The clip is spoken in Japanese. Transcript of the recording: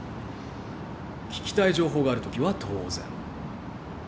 聞きたい情報があるときは当然。